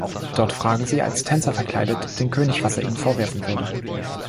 Dort fragen sie, als Tänzer verkleidet, den König, was er ihnen vorwerfen würde.